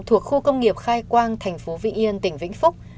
thuộc khu công nghiệp khai quang tp vĩnh yên tp vĩnh phúc